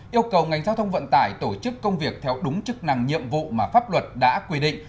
yêu cầu ngành giao thông vận tải tổ chức công việc theo đúng chức năng nhiệm vụ mà pháp luật đã quy định